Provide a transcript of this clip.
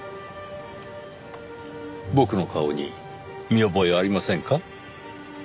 僕の顔に見覚えありませんか？